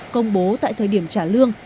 công bố tại thời điểm trả lương